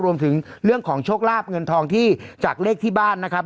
รวมถึงเรื่องของโชคลาบเงินทองที่จากเลขที่บ้านนะครับ